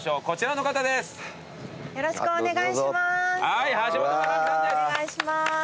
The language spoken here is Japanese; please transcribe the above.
こちらの方です。